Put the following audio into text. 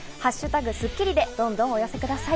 「＃スッキリ」でどんどんお寄せください。